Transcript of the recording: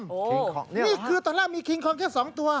คิงคองนี่เหรอครับนี่คือตอนแรกมีคิงคองแค่๒ตัว